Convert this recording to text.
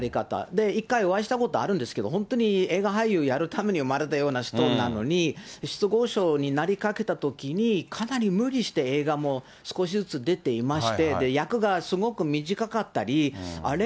で、一回お会いしたことあるんですけど、本当に映画俳優やるために生まれたような人なのに、失語症になりかけたときに、かなり無理して映画も少しずつ出ていまして、役がすごく短かったり、あれ？